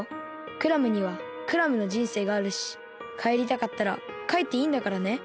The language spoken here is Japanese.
クラムにはクラムのじんせいがあるしかえりたかったらかえっていいんだからね。